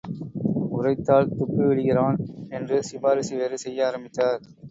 உரைத்தால் துப்பிவிடுகிறான் என்று சிபாரிசு வேறு செய்ய ஆரம்பித்தார்.